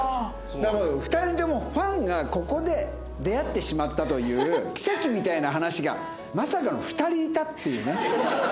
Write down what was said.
だから２人ともファンがここで出会ってしまったという奇跡みたいな話がまさかの２人いたっていうね。